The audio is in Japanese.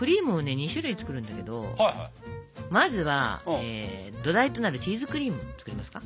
２種類作るんだけどまずは土台となるチーズクリームを作りますか。